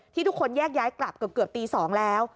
ทุกคนแยกย้ายกลับเกือบตี๒แล้ว